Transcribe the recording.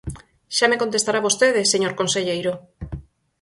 Xa me contestará vostede, señor conselleiro.